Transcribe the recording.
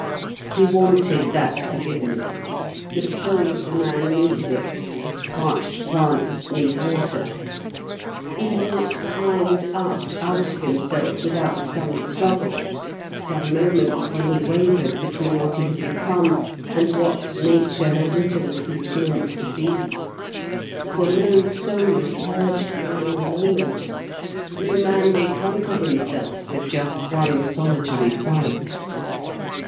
He wanted that forgiveness the soul of the man needed it, as parched plants need water. He had not climbed up out of himself without some struggle, some moments when he wavered between what he had become, and what Nature had written that he was meant to be; for no Soul is purged all in a moment, no man may conquer himself with just one solitary fight.